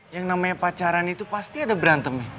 yang namanya pacaran itu pasti ada berantemnya